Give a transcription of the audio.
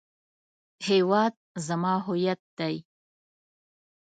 هیواد زما هویت دی